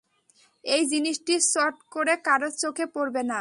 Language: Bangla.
এই জিনিসটি চট করে কারোর চোখে পড়বে না।